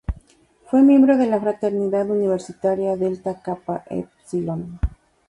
Fue miembro de la fraternidad universitaria Delta Kappa Epsilon.